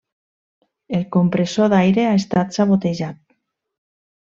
El compressor d'aire ha estat sabotejat.